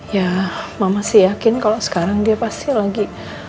ya mama sih yakin kalau sekarang dia pasti lagi